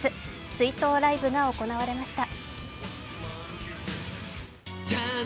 追悼ライブが行われました。